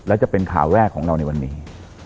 และจะเป็นข่าวแรกของเราในวันนี้